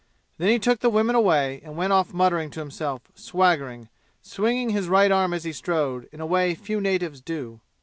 Then he took the women away and went off muttering to himself, swaggering, swinging his right arm as he strode, in a way few natives do.